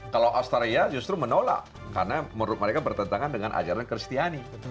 kalau australia justru menolak karena menurut mereka bertentangan dengan ajaran kristiani